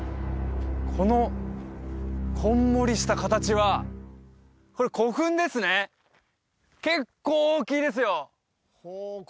このこんもりした形はこれ古墳ですね結構大きいですよ